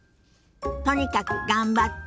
とにかく頑張って。